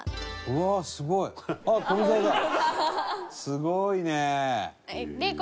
すごいね！